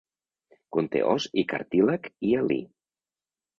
Conté os i cartílag hialí.